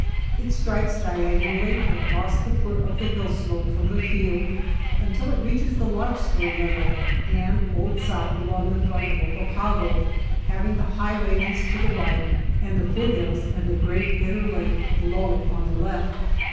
It strikes diagonally across the foot of the hill slope from the field until it reaches the larkspur level, and holds south, along the front of Oppapago, having the high ranges to the right and the foothills and the great Bitter Lake below it on the left.